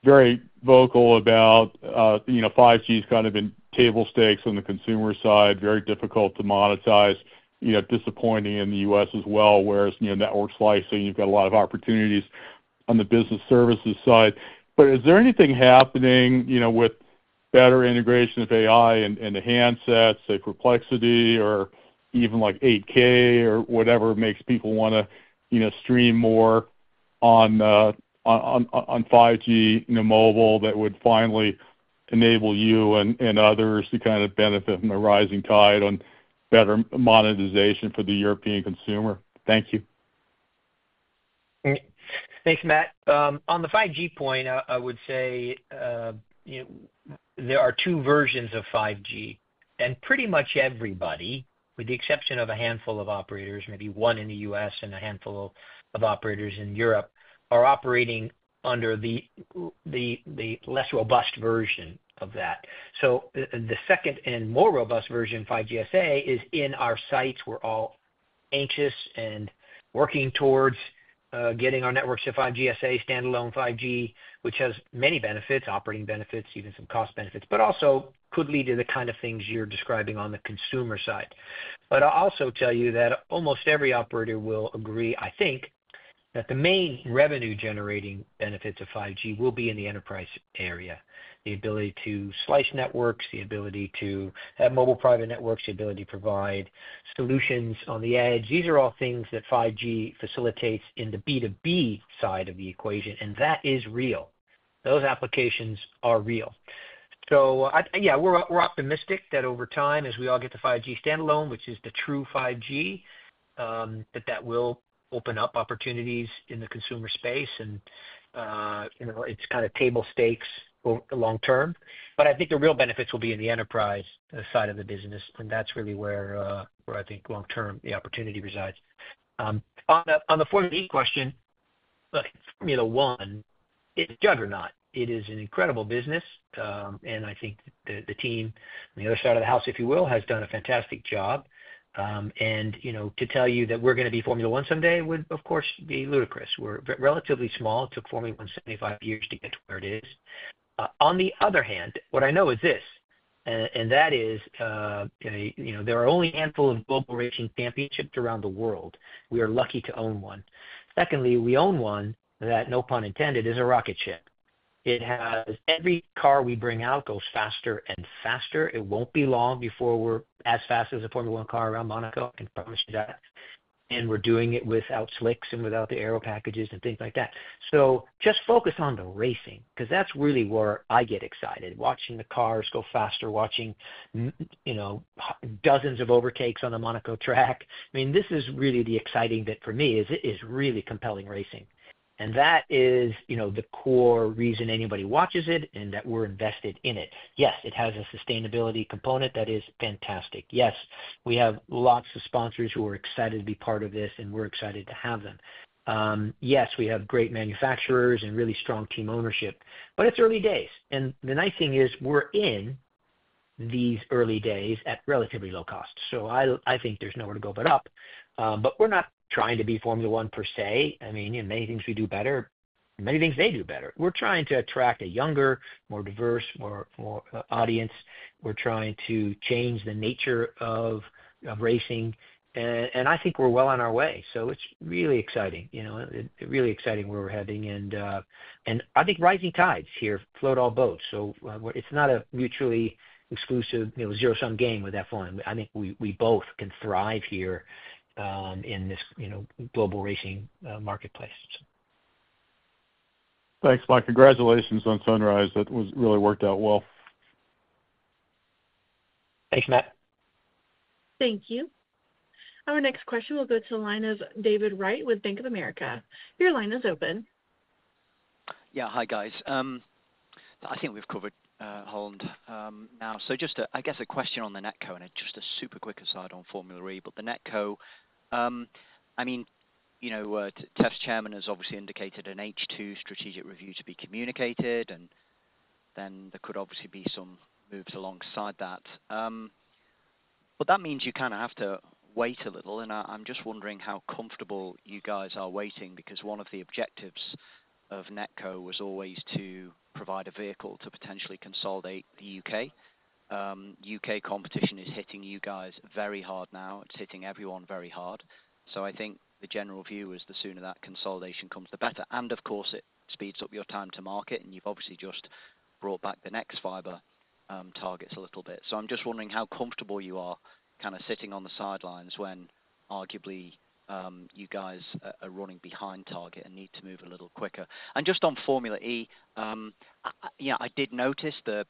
very vocal about 5G is kind of in table stakes on the consumer side, very difficult to monetize, disappointing in the U.S. as well, whereas network slicing, you've got a lot of opportunities on the business services side. Is there anything happening with better integration of AI and the handsets, say, complexity or even like 8K or whatever makes people want to stream more on 5G mobile that would finally enable you and others to kind of benefit from the rising tide on better monetization for the European consumer? Thank you. Thanks, Matt. On the 5G point, I would say there are two versions of 5G. Pretty much everybody, with the exception of a handful of operators, maybe one in the U.S. and a handful of operators in Europe, are operating under the less robust version of that. The second and more robust version, 5GSA, is in our sights. We're all anxious and working towards getting our networks to 5GSA, standalone 5G, which has many benefits, operating benefits, even some cost benefits, but also could lead to the kind of things you're describing on the consumer side. I'll also tell you that almost every operator will agree, I think, that the main revenue-generating benefits of 5G will be in the enterprise area, the ability to slice networks, the ability to have mobile private networks, the ability to provide solutions on the edge. These are all things that 5G facilitates in the B2B side of the equation, and that is real. Those applications are real. Yeah, we're optimistic that over time, as we all get to 5G standalone, which is the true 5G, that that will open up opportunities in the consumer space. It is kind of table stakes long-term. I think the real benefits will be in the enterprise side of the business, and that's really where I think long-term the opportunity resides. On the 4G question, look, Formula 1 is a juggernaut. It is an incredible business. I think the team on the other side of the house, if you will, has done a fantastic job. To tell you that we're going to be Formula 1 someday would, of course, be ludicrous. We're relatively small. It took Formula 1 75 years to get to where it is. On the other hand, what I know is this, and that is there are only a handful of global racing championships around the world. We are lucky to own one. Secondly, we own one that, no pun intended, is a rocket ship. It has every car we bring out goes faster and faster. It won't be long before we're as fast as a Formula 1 car around Monaco. I can promise you that. We are doing it without slicks and without the aero packages and things like that. Just focus on the racing because that's really where I get excited, watching the cars go faster, watching dozens of overtakes on the Monaco track. I mean, this is really the exciting bit for me, is really compelling racing. That is the core reason anybody watches it and that we're invested in it. Yes, it has a sustainability component that is fantastic. Yes, we have lots of sponsors who are excited to be part of this, and we're excited to have them. Yes, we have great manufacturers and really strong team ownership, but it's early days. The nice thing is we're in these early days at relatively low cost. I think there's nowhere to go but up. We're not trying to be Formula 1 per se. I mean, many things we do better, many things they do better. We're trying to attract a younger, more diverse audience. We're trying to change the nature of racing. I think we're well on our way. It's really exciting. Really exciting where we're heading. I think rising tides here float all boats. It's not a mutually exclusive zero-sum game with F1. I think we both can thrive here in this global racing marketplace. Thanks, Mike. Congratulations on Sunrise. That really worked out well. Thanks, Matt. Thank you. Our next question will go to the line of David Wright with Bank of America. Your line is open. Yeah. Hi, guys. I think we've covered Holland now. Just, I guess, a question on the NetCo, and just a super quick aside on Formula E. The NetCo, I mean, Test Chairman has obviously indicated an H2 strategic review to be communicated, and then there could obviously be some moves alongside that. That means you kind of have to wait a little. I'm just wondering how comfortable you guys are waiting because one of the objectives of NetCo was always to provide a vehicle to potentially consolidate the U.K. U.K. competition is hitting you guys very hard now. It's hitting everyone very hard. I think the general view is the sooner that consolidation comes, the better. Of course, it speeds up your time to market, and you've obviously just brought back the nexfibre targets a little bit. I'm just wondering how comfortable you are kind of sitting on the sidelines when arguably you guys are running behind target and need to move a little quicker. Just on Formula E, yeah, I did notice the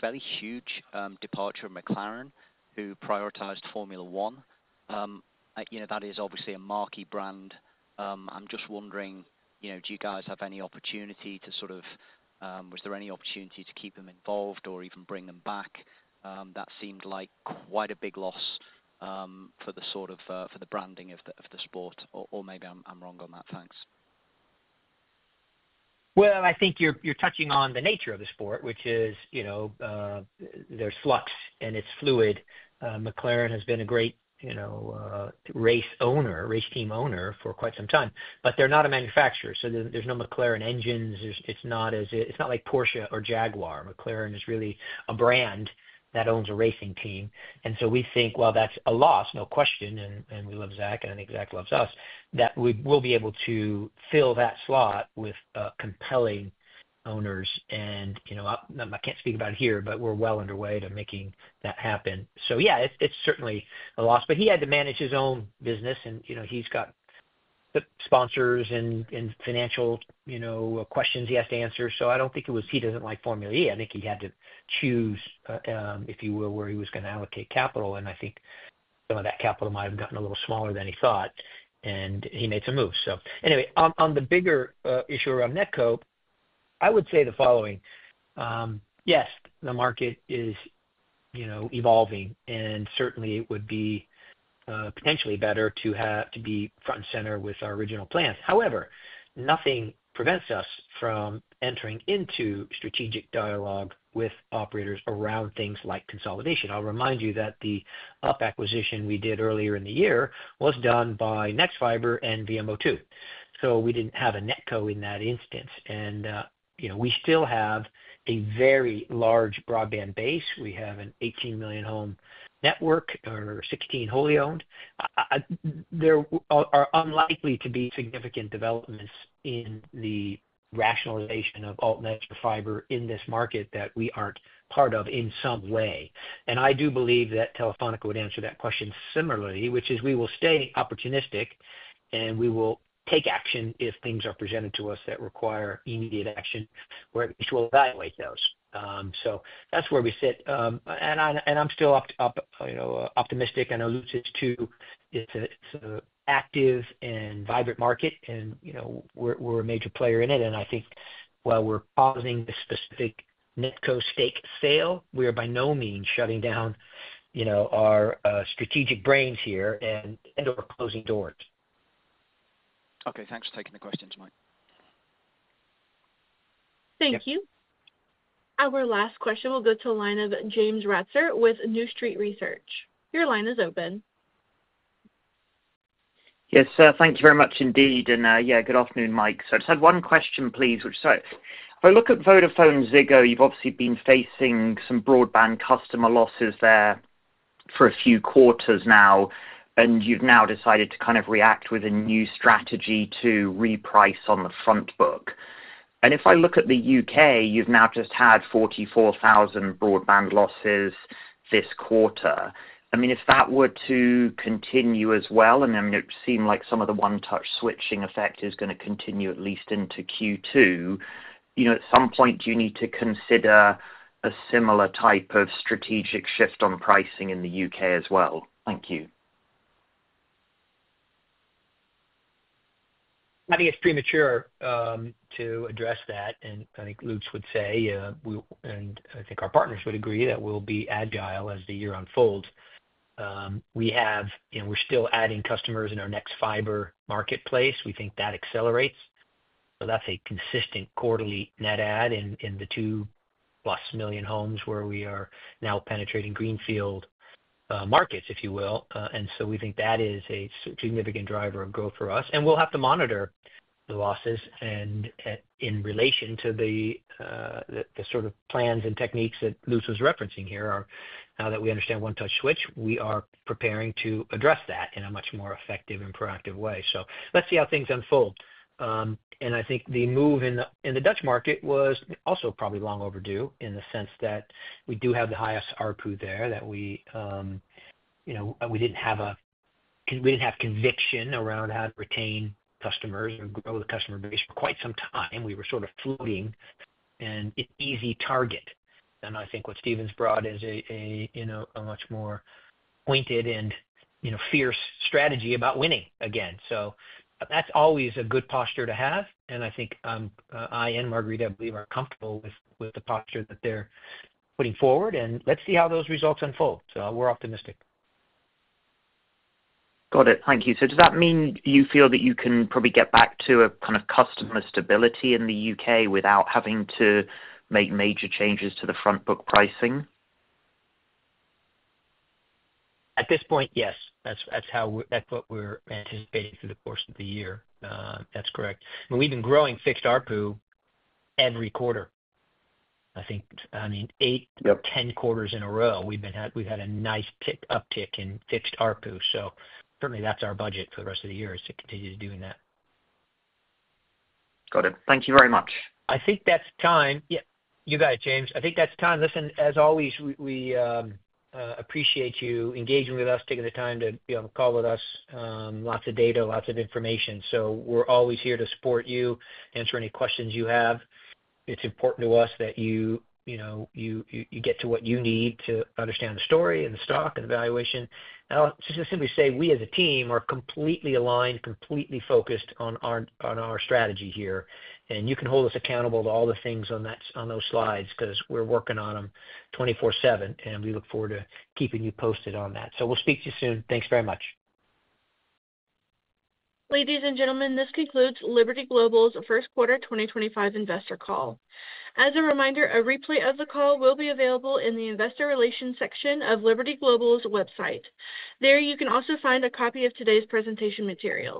fairly huge departure of McLaren, who prioritized Formula 1. That is obviously a marquee brand. I'm just wondering, do you guys have any opportunity to sort of was there any opportunity to keep them involved or even bring them back? That seemed like quite a big loss for the sort of for the branding of the sport. Maybe I'm wrong on that. Thanks. I think you're touching on the nature of the sport, which is there's flux, and it's fluid. McLaren has been a great race team owner for quite some time, but they're not a manufacturer. There are no McLaren engines. It's not like Porsche or Jaguar. McLaren is really a brand that owns a racing team. We think that's a loss, no question. We love Zach, and I think Zach loves us, that we will be able to fill that slot with compelling owners. I can't speak about it here, but we're well underway to making that happen. Yeah, it's certainly a loss. He had to manage his own business, and he's got sponsors and financial questions he has to answer. I don't think it was he doesn't like Formula E. I think he had to choose, if you will, where he was going to allocate capital. I think some of that capital might have gotten a little smaller than he thought, and he made some moves. Anyway, on the bigger issue around NetCo, I would say the following. Yes, the market is evolving, and certainly it would be potentially better to be front and center with our original plans. However, nothing prevents us from entering into strategic dialogue with operators around things like consolidation. I'll remind you that the up acquisition we did earlier in the year was done by nexfibre and VMO2. We did not have a NetCo in that instance. We still have a very large broadband base. We have an 18 million home network or 16 wholly-owned. There are unlikely to be significant developments in the rationalization of AltNet or fiber in this market that we are not part of in some way. I do believe that Telefónica would answer that question similarly, which is we will stay opportunistic, and we will take action if things are presented to us that require immediate action, where we will evaluate those. That is where we sit. I am still optimistic and alluded to is active and vibrant market, and we are a major player in it. I think while we are causing the specific NetCo stake sale, we are by no means shutting down our strategic brains here and we'rer closing doors. Okay. Thanks for taking the questions, Mike. Thank you. Our last question will go to the line of James Ratzer with New Street Research. Your line is open. Yes. Thank you very much indeed. Yeah, good afternoon, Mike. I just had one question, please, which is if I look at VodafoneZiggo, you've obviously been facing some broadband customer losses there for a few quarters now, and you've now decided to kind of react with a new strategy to reprice on the front book. If I look at the U.K., you've now just had 44,000 broadband losses this quarter. I mean, if that were to continue as well, I mean, it would seem like some of the one-touch switching effect is going to continue at least into Q2. At some point, do you need to consider a similar type of strategic shift on pricing in the U.K. as well? Thank you. I think it's premature to address that. I think Lutz would say, and I think our partners would agree that we'll be agile as the year unfolds. We're still adding customers in our nexfibre marketplace. We think that accelerates. That is a consistent quarterly net add in the two-plus million homes where we are now penetrating greenfield markets, if you will. We think that is a significant driver of growth for us. We will have to monitor the losses. In relation to the sort of plans and techniques that Lutz was referencing here, now that we understand One Touch switch, we are preparing to address that in a much more effective and proactive way. Let's see how things unfold. I think the move in the Dutch market was also probably long overdue in the sense that we do have the highest ARPU there, that we did not have a we did not have conviction around how to retain customers and grow the customer base for quite some time. We were sort of floating an easy target. I think what Stephen's brought is a much more pointed and fierce strategy about winning again. That is always a good posture to have. I think I and Margarita, I believe, are comfortable with the posture that they are putting forward. Let us see how those results unfold. We are optimistic. Got it. Thank you. Does that mean you feel that you can probably get back to a kind of customer stability in the U.K. without having to make major changes to the front book pricing? At this point, yes. That is what we are anticipating through the course of the year. That is correct. I mean, we have been growing fixed ARPU every quarter. I mean, eight, 10 quarters in a row, we have had a nice uptick in fixed ARPU. Certainly, that's our budget for the rest of the year is to continue doing that. Got it. Thank you very much. I think that's time. Yeah. You got it, James. I think that's time. Listen, as always, we appreciate you engaging with us, taking the time to call with us. Lots of data, lots of information. We are always here to support you, answer any questions you have. It's important to us that you get to what you need to understand the story and the stock and the valuation. I'll just simply say we as a team are completely aligned, completely focused on our strategy here. You can hold us accountable to all the things on those slides because we are working on them 24/7, and we look forward to keeping you posted on that. We will speak to you soon. Thanks very much. Ladies and gentlemen, this concludes Liberty Global's first quarter 2025 investor call. As a reminder, a replay of the call will be available in the investor relations section of Liberty Global's website. There you can also find a copy of today's presentation materials.